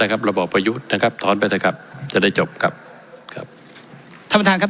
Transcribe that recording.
ครับถอนไปเถอะครับจะได้จบครับครับท่านประธานครับ